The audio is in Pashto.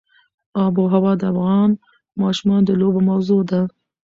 آب وهوا د افغان ماشومانو د لوبو موضوع ده.